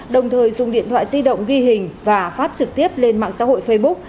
đồng thời dùng điện thoại di động ghi hình và phát trực tiếp lên mạng xã hội facebook